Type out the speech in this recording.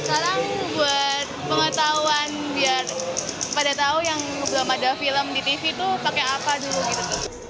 sekarang buat pengetahuan biar pada tahu yang belum ada film di tv tuh pakai apa dulu gitu